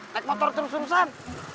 naik motor terus terusan